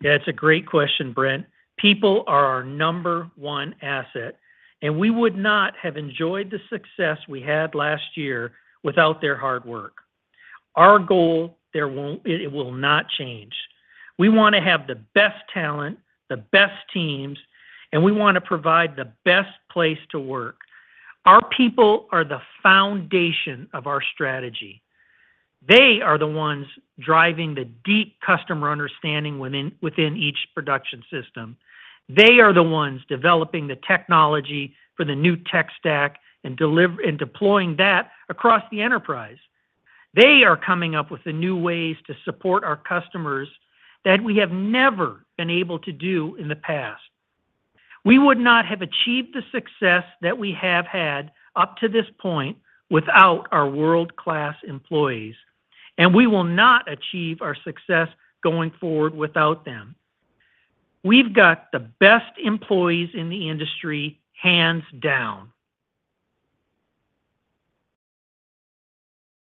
Speaker 4: Yeah, it's a great question, Brent. People are our number one asset, and we would not have enjoyed the success we had last year without their hard work. Our goal, it will not change. We wanna have the best talent, the best teams, and we wanna provide the best place to work. Our people are the foundation of our strategy. They are the ones driving the deep customer understanding within each production system. They are the ones developing the technology for the new tech stack and deploying that across the enterprise. They are coming up with the new ways to support our customers that we have never been able to do in the past. We would not have achieved the success that we have had up to this point without our world-class employees, and we will not achieve our success going forward without them. We've got the best employees in the industry, hands down.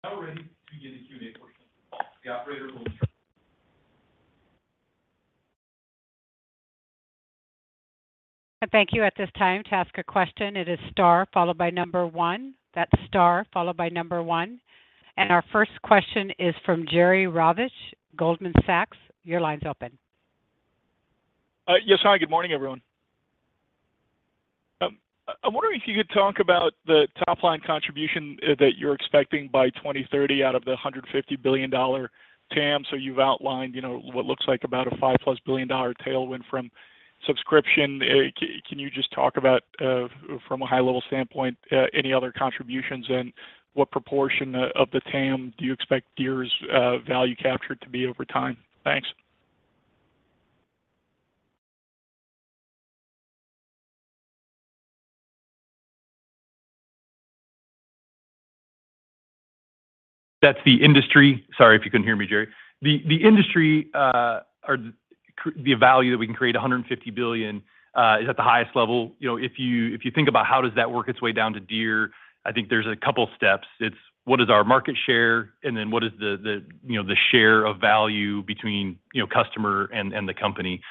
Speaker 3: Now we're ready to begin the Q&A portion. The operator will
Speaker 1: Thank you. At this time, to ask a question, it is star followed by number one. That's star followed by number one. Our first question is from Jerry Revich, Goldman Sachs. Your line's open.
Speaker 7: Yes. Hi, good morning, everyone. I wonder if you could talk about the top line contribution that you're expecting by 2030 out of the $150 billion TAM. You've outlined, you know, what looks like about a $5+ billion tailwind from subscription. Can you just talk about, from a high level standpoint, any other contributions and what proportion of the TAM do you expect Deere's value capture to be over time? Thanks.
Speaker 2: That's the industry. Sorry if you couldn't hear me, Jerry. The industry or the value that we can create, $150 billion, is at the highest level. You know, if you think about how does that work its way down to Deere, I think there's a couple steps. It's what is our market share, and then what is the, you know, the share of value between, you know, customer and the company.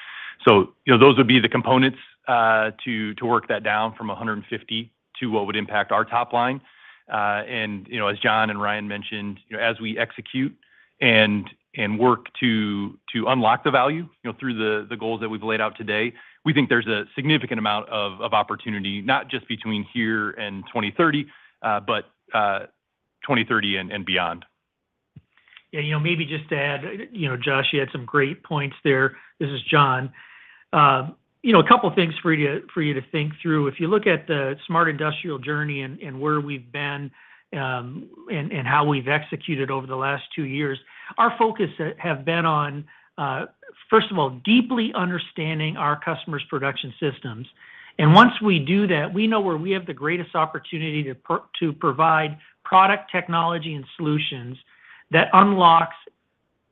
Speaker 2: You know, those would be the components to work that down from $150 billion to what would impact our top line.
Speaker 3: You know, as John and Ryan mentioned, you know, as we execute and work to unlock the value, you know, through the goals that we've laid out today, we think there's a significant amount of opportunity, not just between here and 2030, but 2030 and beyond.
Speaker 4: Yeah, you know, maybe just to add, you know, Josh, you had some great points there. This is John. You know, a couple things for you to think through. If you look at the Smart Industrial journey and where we've been, and how we've executed over the last two years, our focus have been on first of all, deeply understanding our customers' production systems. Once we do that, we know where we have the greatest opportunity to provide product technology and solutions that unlocks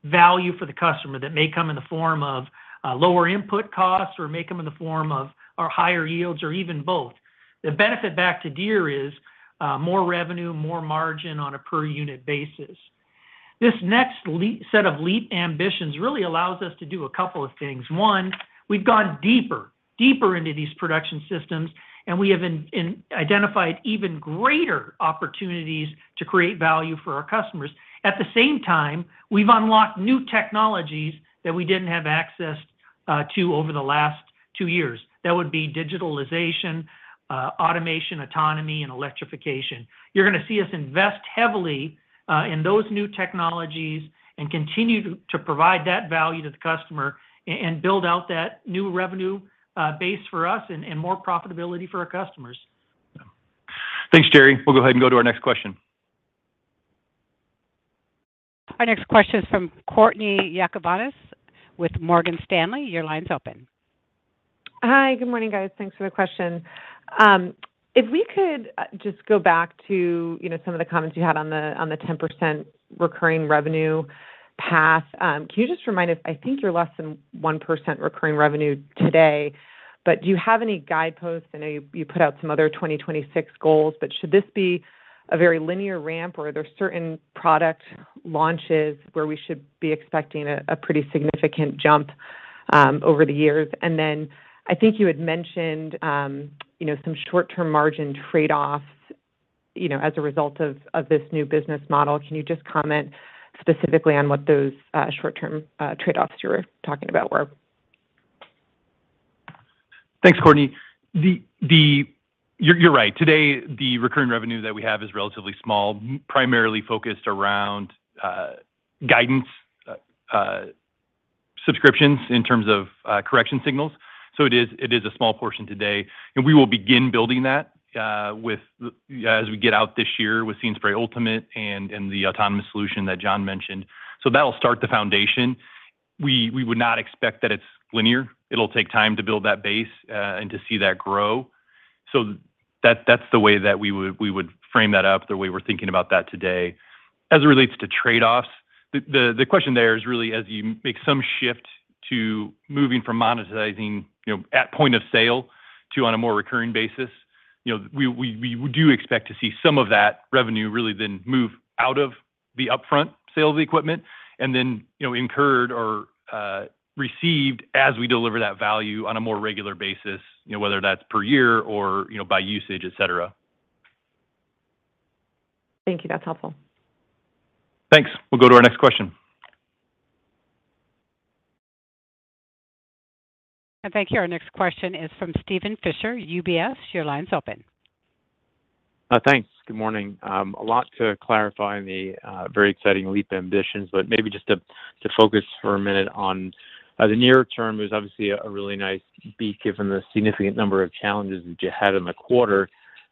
Speaker 4: value for the customer that may come in the form of lower input costs or may come in the form of our higher yields or even both. The benefit back to Deere is more revenue, more margin on a per unit basis. This next set of Leap Ambitions really allows us to do a couple of things. One, we've gone deeper into these production systems, and we have identified even greater opportunities to create value for our customers. At the same time, we've unlocked new technologies that we didn't have access to over the last two years. That would be digitalization, automation, autonomy, and electrification. You're gonna see us invest heavily in those new technologies and continue to provide that value to the customer and build out that new revenue base for us and more profitability for our customers.
Speaker 2: Thanks, Jerry. We'll go ahead and go to our next question.
Speaker 1: Our next question is from Courtney Yakavonis with Morgan Stanley. Your line's open.
Speaker 8: Hi. Good morning, guys. Thanks for the question. If we could just go back to, you know, some of the comments you had on the 10% recurring revenue path. Can you just remind us? I think you're less than 1% recurring revenue today, but do you have any guideposts? I know you put out some other 2026 goals, but should this be a very linear ramp, or are there certain product launches where we should be expecting a pretty significant jump over the years? Then I think you had mentioned, you know, some short-term margin trade-offs, you know, as a result of this new business model. Can you just comment specifically on what those short-term trade-offs you were talking about were?
Speaker 2: Thanks, Courtney. You're right. Today, the recurring revenue that we have is relatively small, primarily focused around guidance subscriptions in terms of correction signals. It is a small portion today, and we will begin building that with the—as we get out this year with See & Spray Ultimate and the autonomous solution that John mentioned. That'll start the foundation. We would not expect that it's linear. It'll take time to build that base and to see that grow. That's the way that we would frame that up, the way we're thinking about that today. As it relates to trade-offs, the question there is really as you make some shift to moving from monetizing, you know, at point of sale to on a more recurring basis. You know, we do expect to see some of that revenue really then move out of the upfront sale of the equipment and then, you know, recognized or received as we deliver that value on a more regular basis, you know, whether that's per year or, you know, by usage, et cetera.
Speaker 8: Thank you. That's helpful.
Speaker 2: Thanks. We'll go to our next question.
Speaker 1: Thank you. Our next question is from Steven Fisher, UBS. Your line's open.
Speaker 9: Thanks. Good morning. A lot to clarify in the very exciting Leap Ambitions, but maybe just to focus for a minute on the near term. It was obviously a really nice beat given the significant number of challenges that you had in the quarter.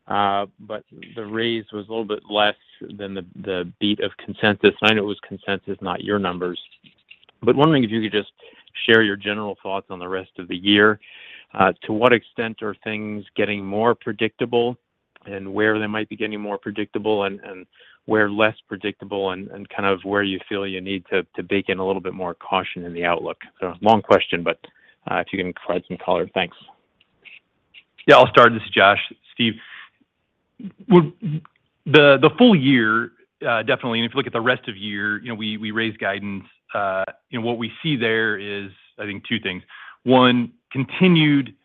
Speaker 9: The raise was a little bit less than the beat of consensus. I know it was consensus, not your numbers. Wondering if you could just share your general thoughts on the rest of the year. To what extent are things getting more predictable and where they might be getting more predictable and where less predictable and kind of where you feel you need to bake in a little bit more caution in the outlook? Long question, but if you can provide some color. Thanks.
Speaker 2: Yeah, I'll start. This is Josh. Steve, the full year, definitely. If you look at the rest of year, you know, we raised guidance. What we see there is, I think, two things. One, continued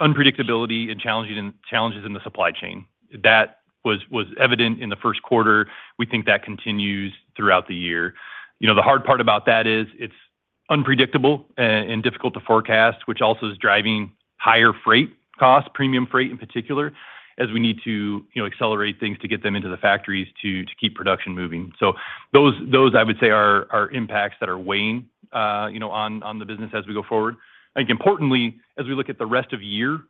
Speaker 2: unpredictability and challenges in the supply chain. That was evident in the first quarter. We think that continues throughout the year. You know, the hard part about that is it's unpredictable and difficult to forecast, which also is driving higher freight costs, premium freight in particular, as we need to, you know, accelerate things to get them into the factories to keep production moving. Those I would say are impacts that are weighing, you know, on the business as we go forward. I think importantly, as we look at the rest of the year,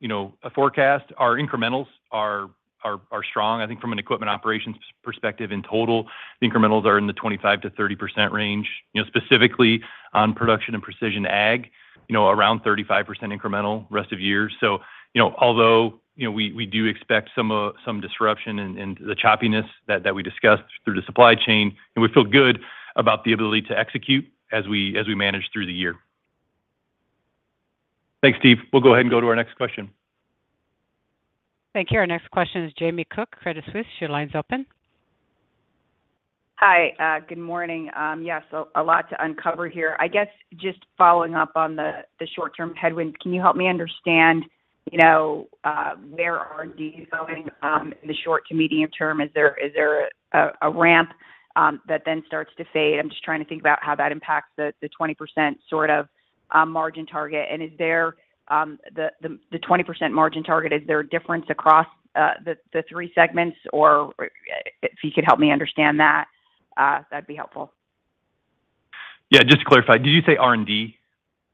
Speaker 2: you know, a forecast, our incrementals are strong. I think from an equipment operations perspective in total, the incrementals are in the 25%-30% range. You know, specifically on Production and Precision Ag, you know, around 35% incremental rest of year. You know, although we do expect some disruption and the choppiness that we discussed through the supply chain, and we feel good about the ability to execute as we manage through the year.
Speaker 3: Thanks, Steve. We'll go ahead and go to our next question.
Speaker 1: Thank you. Our next question is Jamie Cook, Credit Suisse. Your line's open.
Speaker 10: Hi. Good morning. Yes, a lot to uncover here. I guess just following up on the short-term headwinds, can you help me understand, you know, where R&D is going in the short to medium term? Is there a ramp that then starts to fade? I'm just trying to think about how that impacts the 20% sort of margin target. The 20% margin target, is there a difference across the three segments or if you could help me understand that'd be helpful.
Speaker 2: Yeah. Just to clarify, did you say R&D?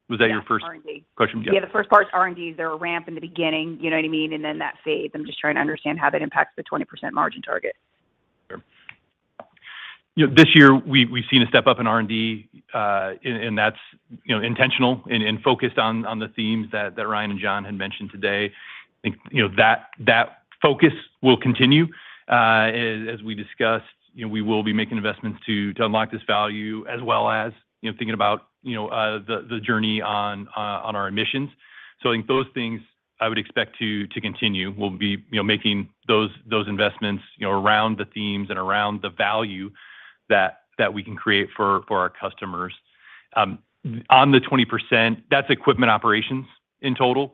Speaker 2: Was that your first?
Speaker 10: Yeah, R&D.
Speaker 2: Question. Yeah.
Speaker 10: Yeah, the first part's R&D. Is there a ramp in the beginning? You know what I mean? Then that fades. I'm just trying to understand how that impacts the 20% margin target.
Speaker 2: Sure. You know, this year we've seen a step up in R&D, and that's you know, intentional and focused on the themes that Ryan and John had mentioned today. I think you know, that focus will continue. As we discussed, you know, we will be making investments to unlock this value as well as you know, thinking about you know, the journey on our emissions. I think those things I would expect to continue. We'll be you know, making those investments you know, around the themes and around the value that we can create for our customers. On the 20%, that's equipment operations in total.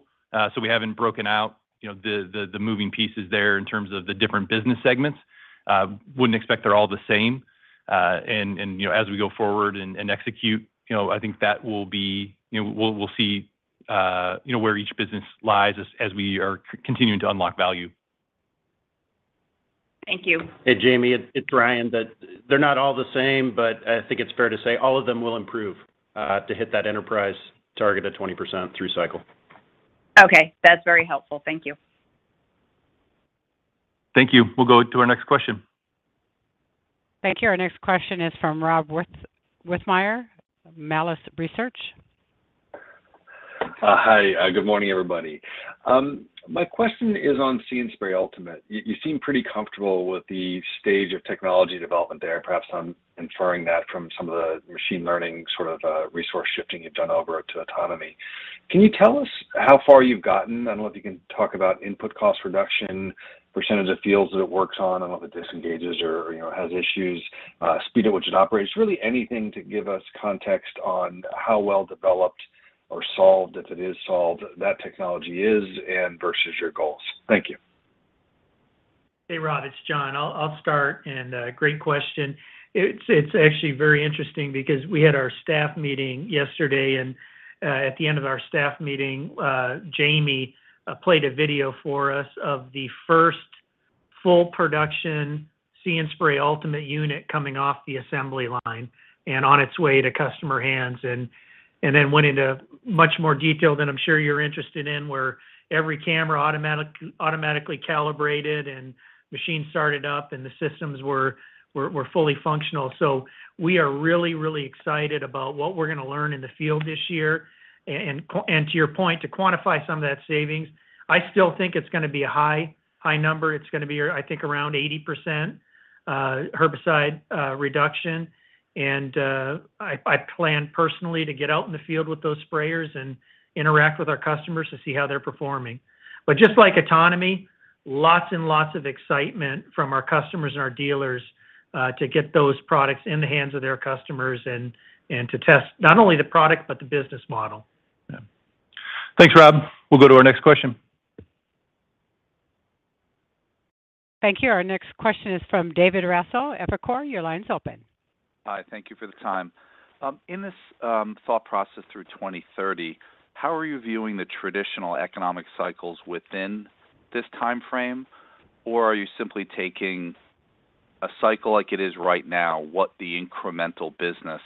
Speaker 2: We haven't broken out you know, the moving pieces there in terms of the different business segments. I wouldn't expect they're all the same. You know, as we go forward and execute, you know, I think that will be. You know, we'll see, you know, where each business lies as we are continuing to unlock value.
Speaker 10: Thank you.
Speaker 5: Hey, Jamie, it's Ryan. They're not all the same, but I think it's fair to say all of them will improve to hit that enterprise target of 20% through cycle.
Speaker 10: Okay. That's very helpful. Thank you.
Speaker 3: Thank you. We'll go to our next question.
Speaker 1: Thank you. Our next question is from Rob Wertheimer, Melius Research.
Speaker 11: Hi. Good morning, everybody. My question is on See & Spray Ultimate. You seem pretty comfortable with the stage of technology development there. Perhaps I'm inferring that from some of the machine learning sort of resource shifting you've done over to autonomy. Can you tell us how far you've gotten? I don't know if you can talk about input cost reduction, % of fields that it works on. I don't know if it disengages or, you know, has issues. Speed at which it operates. Really anything to give us context on how well developed or solved, if it is solved, that technology is and vs your goals. Thank you.
Speaker 4: Hey, Rob, it's John. I'll start and great question. It's actually very interesting because we had our staff meeting yesterday, and at the end of our staff meeting, Jamie played a video for us of the first Full production See & Spray Ultimate unit coming off the assembly line and on its way to customer hands. Went into much more detail than I'm sure you're interested in, where every camera automatically calibrated and machine started up, and the systems were fully functional. We are really excited about what we're gonna learn in the field this year. To your point, to quantify some of that savings, I still think it's gonna be a high number. It's gonna be I think around 80% herbicide reduction. Plan personally to get out in the field with those sprayers and interact with our customers to see how they're performing. Just like autonomy, lots and lots of excitement from our customers and our dealers to get those products in the hands of their customers and to test not only the product but the business model.
Speaker 2: Yeah. Thanks, Rob. We'll go to our next question.
Speaker 1: Thank you. Our next question is from David Raso, Evercore. Your line's open.
Speaker 12: Hi. Thank you for the time. In this thought process through 2030, how are you viewing the traditional economic cycles within this timeframe? Or are you simply taking a cycle like it is right now, what the incremental business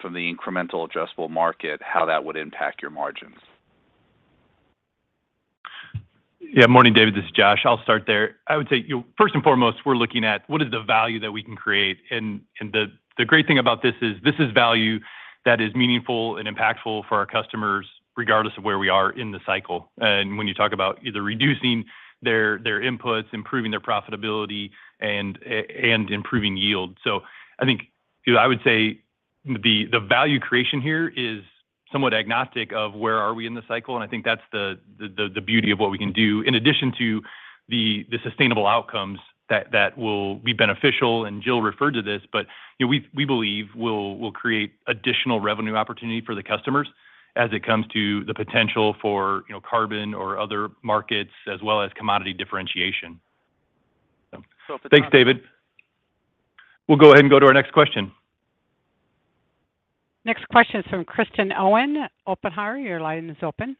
Speaker 12: from the incremental addressable market, how that would impact your margins?
Speaker 2: Morning, David, this is Josh. I'll start there. I would say, you know, first and foremost, we're looking at what is the value that we can create. The great thing about this is, this is value that is meaningful and impactful for our customers regardless of where we are in the cycle, when you talk about either reducing their inputs, improving their profitability and improving yield. I think, you know, I would say the value creation here is somewhat agnostic of where are we in the cycle, and I think that's the beauty of what we can do in addition to the sustainable outcomes that will be beneficial. Jill referred to this, but, you know, we believe we'll create additional revenue opportunity for the customers as it comes to the potential for, you know, carbon or other markets as well as commodity differentiation. Thanks, David. We'll go ahead and go to our next question.
Speaker 1: Next question is from Kristen Owen, Oppenheimer. Your line is open.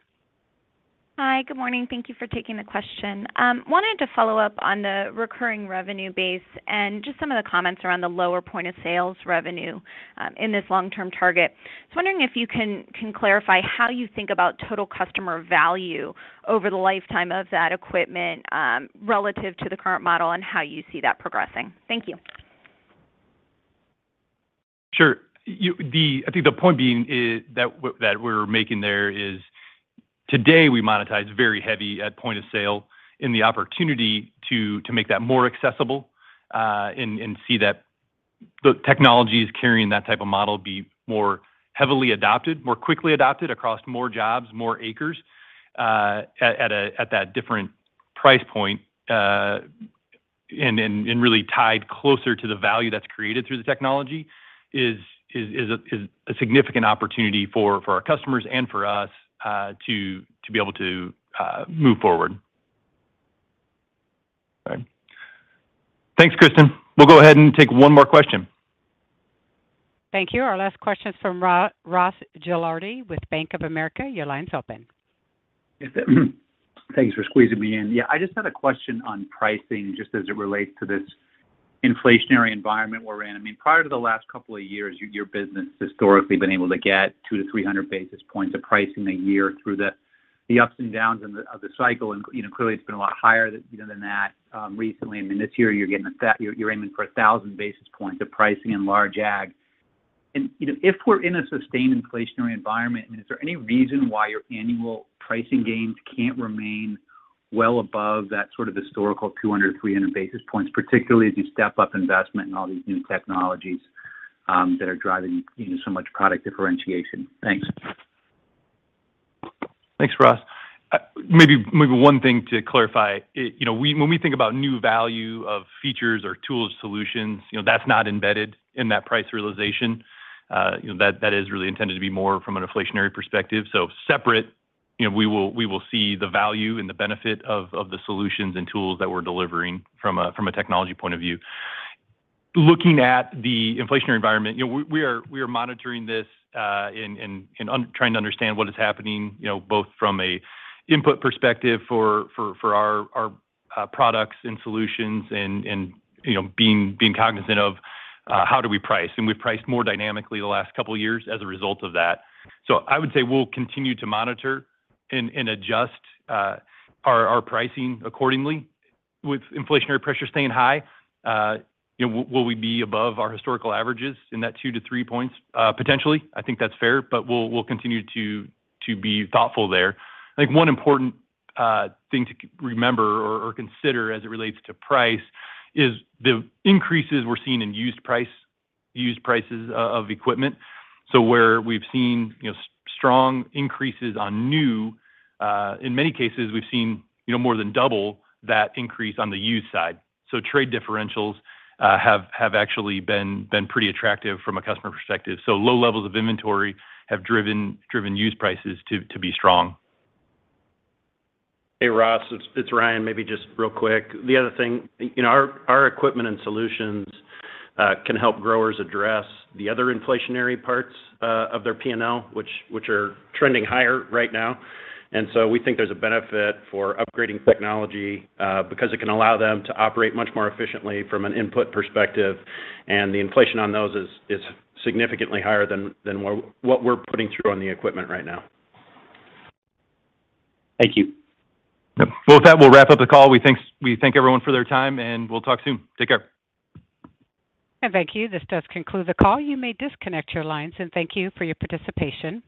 Speaker 13: Hi. Good morning. Thank you for taking the question. I wanted to follow up on the recurring revenue base and just some of the comments around the lower point of sales revenue, in this long-term target. I was wondering if you can clarify how you think about total customer value over the lifetime of that equipment, relative to the current model and how you see that progressing. Thank you.
Speaker 2: Sure. I think the point being that we're making there is today we monetize very heavy at point of sale and the opportunity to make that more accessible, and see that the technologies carrying that type of model be more heavily adopted, more quickly adopted across more jobs, more acres, at that different price point, and really tied closer to the value that's created through the technology is a significant opportunity for our customers and for us, to be able to move forward. All right. Thanks, Kristen. We'll go ahead and take one more question.
Speaker 1: Thank you. Our last question is from Ross Gilardi with Bank of America. Your line's open.
Speaker 14: Yes, thanks for squeezing me in. Yeah. I just had a question on pricing, just as it relates to this inflationary environment we're in. I mean, prior to the last couple of years, your business historically been able to get 200-300 basis points of pricing a year through the ups and downs of the cycle. You know, clearly it's been a lot higher, you know, than that recently. I mean, this year you're aiming for 1,000 basis points of pricing in large ag. You know, if we're in a sustained inflationary environment, I mean, is there any reason why your annual pricing gains can't remain well above that sort of historical 200, 300 basis points, particularly as you step up investment in all these new technologies that are driving, you know, so much product differentiation? Thanks.
Speaker 2: Thanks, Ross. Maybe one thing to clarify. You know, when we think about new value of features or tools, solutions, you know, that's not embedded in that price realization. You know, that is really intended to be more from an inflationary perspective. Separate, you know, we will see the value and the benefit of the solutions and tools that we're delivering from a technology point of view. Looking at the inflationary environment, you know, we are monitoring this and trying to understand what is happening, you know, both from an input perspective for our products and solutions and, you know, being cognizant of how do we price. We've priced more dynamically the last couple of years as a result of that. I would say we'll continue to monitor and adjust our pricing accordingly. With inflationary pressure staying high, you know, will we be above our historical averages in that 2-3 points? Potentially. I think that's fair, but we'll continue to be thoughtful there. I think one important thing to remember or consider as it relates to price is the increases we're seeing in used prices of equipment. Where we've seen strong increases on new, in many cases we've seen more than double that increase on the used side. Trade differentials have actually been pretty attractive from a customer perspective. Low levels of inventory have driven used prices to be strong.
Speaker 5: Hey, Ross, it's Ryan. Maybe just real quick. The other thing, you know, our equipment and solutions can help growers address the other inflationary parts of their P&L, which are trending higher right now. We think there's a benefit for upgrading technology because it can allow them to operate much more efficiently from an input perspective, and the inflation on those is significantly higher than what we're putting through on the equipment right now.
Speaker 14: Thank you.
Speaker 2: Yep. Well, with that, we'll wrap up the call. We thank everyone for their time, and we'll talk soon. Take care.
Speaker 1: Thank you. This does conclude the call. You may disconnect your lines, and thank you for your participation.